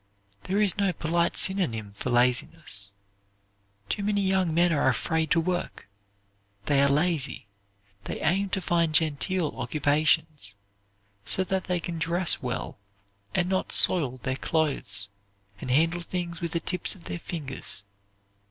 There is no polite synonym for laziness. Too many young men are afraid to work. They are lazy. They aim to find genteel occupations, so that they can dress well, and not soil their clothes, and handle things with the tips of their fingers.